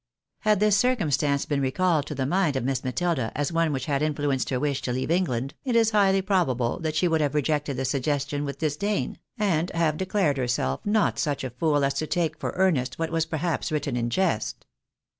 Had this circum stance been recalled to the mind of Miss Matilda as one which had 32 THE BARNABYS IN AMEKIUA. influenced her wish to leave England, it is highly probable that she would have rejected the suggestion with disdain, and have declared herself not such a fool as to take foi e^iuest what was perhaps written in jest.